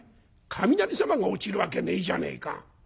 「雷様が落ちるわけねえじゃねえか。